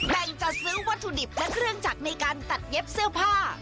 แบ่งจัดซื้อวัตถุดิบและเครื่องจักรในการตัดเย็บเสื้อผ้า